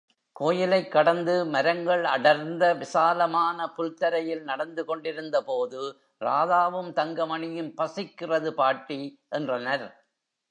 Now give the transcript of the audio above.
கோயிலைக் கடந்து மரங்கள் அடர்ந்த விசாலமான புல் தரையில் நடந்து கொண்டிருந்தபோது ராதாவும், தங்கமணியும் பசிக்கிறது பாட்டி என்றனர்.